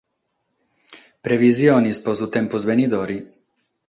Previsiones pro su tempus benidore?